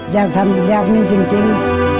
อยากทำอยากมีจริง